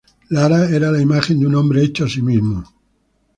Lara era la imagen de un hombre hecho a sí mismo.